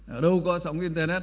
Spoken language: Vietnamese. ở đâu có sóng internet